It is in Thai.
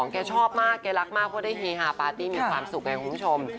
แกชอบมากแกรักมากเพราะได้เฮฮาปาร์ตี้มีความสุขไงคุณผู้ชม